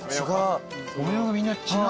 模様がみんな違う。